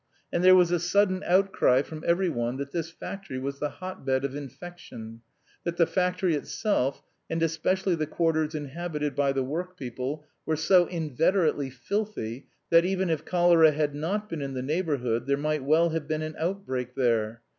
And there was a sudden outcry from every one that this factory was the hot bed of infection, that the factory itself, and especially the quarters inhabited by the workpeople, were so inveterately filthy that even if cholera had not been in the neighbourhood there might well have been an outbreak there.